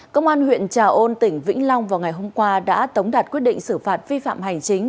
công an huyện trà ôn tỉnh vĩnh long vào ngày hôm qua đã tống đạt quyết định xử phạt vi phạm hành chính